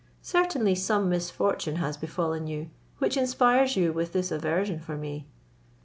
Certainly some misfortune has befallen you, which inspires you with this aversion for me.